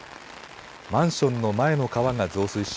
マンションの前の川が増水し